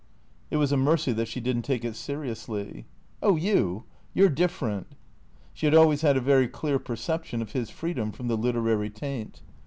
(It was a mercy that she didn't take it seriously.) " Oh you — you 're different." She had always had a very clear perception of his freedom from the literary taint.